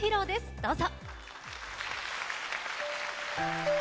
どうぞ。